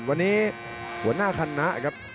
วันนี้หัวหน้าคณะครับ